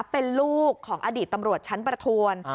เป็นลูกของอดีตตำรวจชั้นประทวน